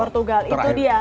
portugal itu dia